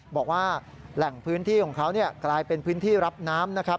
บอกว่าแหล่งพื้นที่ของเขากลายเป็นพื้นที่รับน้ำนะครับ